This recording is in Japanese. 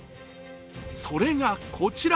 それがこちら！